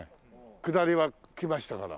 下りは来ましたから。